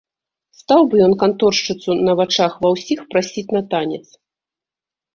Стаў бы ён канторшчыцу на вачах ва ўсіх прасіць на танец.